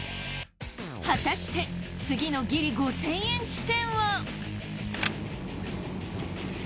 果たして次のギリ５，０００円地点は？